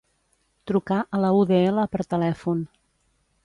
Trucar a la UdL per telèfon.